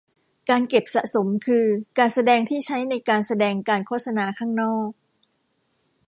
การเก็บสะสมคือการแสดงที่ใช้ในการแสดงการโฆษณาข้างนอก